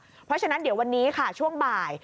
เพราะฉะนั้นเดี๋ยววันนี้ค่ะช่วงบ่าย